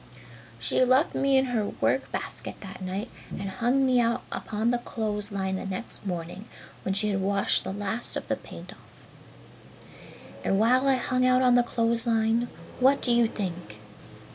"She left me in her work basket that night and hung me out upon the clothes line the next morning when she had washed the last of the paint off. "And while I hung out on the clothes line, what do you think?"